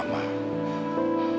mama harus berhati hati